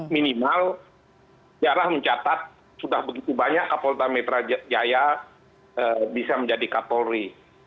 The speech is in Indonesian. minimal jarah mencatat sudah begitu banyak kapolda metro jaya bisa menjadi kapolri